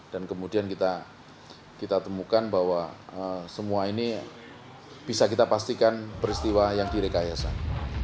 dan kemudian kita temukan bahwa semua ini bisa kita pastikan peristiwa yang direkayasan